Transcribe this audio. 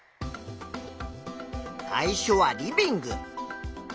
最初はリビング。